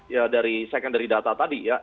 ya dari secondary data tadi ya